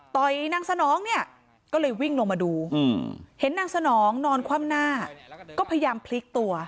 นางสนองเนี่ยก็เลยวิ่งลงมาดูเห็นนางสนองนอนคว่ำหน้าก็พยายามพลิกตัว